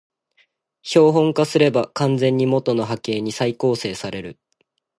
標本化すれば完全に元の波形に再構成される